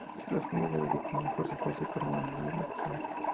Los familiares de las víctimas por su parte perdonaron al acusado.